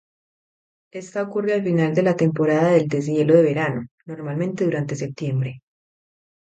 Esta ocurre al final de la temporada de deshielo de verano, normalmente durante septiembre.